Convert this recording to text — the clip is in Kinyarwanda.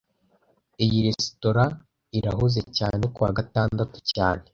Iyi resitora irahuze cyane kuwa gatandatu cyane